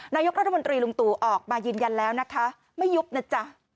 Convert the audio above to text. นายกรัฐมนตรีลุงตู่ออกมายืนยันแล้วนะคะไม่ยุบนะจ๊ะ